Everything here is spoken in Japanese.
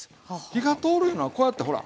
火が通るいうのはこうやってほら。